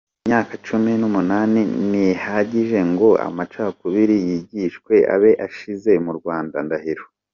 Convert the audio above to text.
Imyaka Cumi numunani ntihagije ngo amacakubiri yigishijwe abe ashize mu Rwanda - Ndahiro